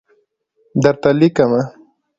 درته لیکمه